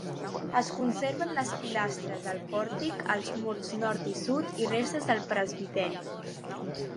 Es conserven les pilastres del pòrtic, els murs nord i sud i restes del presbiteri.